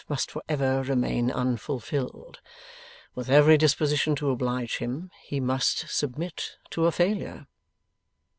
must for ever remain unfulfilled. With every disposition to oblige him, he must submit to a failure.